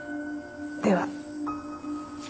では。